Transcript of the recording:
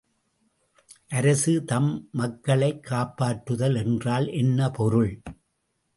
அரசு, தம் மக்களைக் காப்பாற்றுதல் என்றால் என்ன பொருள்?